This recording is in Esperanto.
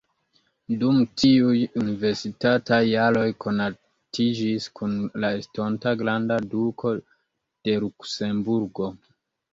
Dum tiuj universitataj jaroj konatiĝis kun la estonta granda duko de Luksemburgo.